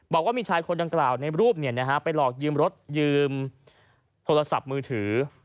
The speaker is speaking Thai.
บอกว่ามีชายคนดังกล่าวในรูปไปหลอกยืมรถยืมโทรศัพท์มือถือ